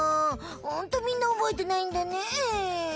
ホントみんなおぼえてないんだね！